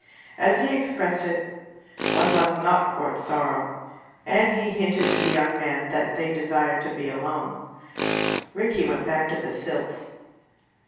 As he expressed it, "one must not court sorrow," and he hinted to the young man that they desired to be alone. Rickie went back to the Silts.